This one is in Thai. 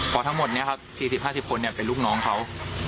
พอทั้งหมด๔๐๕๐คนเป็นลูกน้องเขา